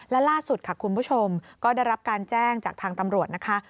และล่าสุดค่ะคุณผู้ชมก็ได้รับการแจ้งจากทางตำรวจนะคะ